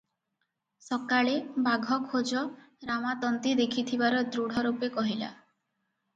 ସକାଳେ ବାଘ ଖୋଜ ରାମା ତନ୍ତୀ ଦେଖିଥିବାର ଦୃଢ଼ ରୂପେ କହିଲା ।